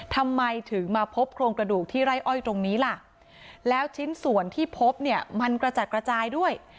ทำไมถึงมาพบโครงกระดูกที่ไร่อ้อยตรงนี้ล่ะแล้วชิ้นส่วนที่พบเนี่ยมันกระจัดกระจายด้วย